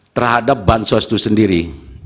terhadap bansos itu sendiri